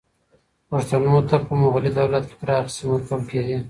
پښتنو ته په مغلي دولت کې پراخې سیمې ورکول کېدې.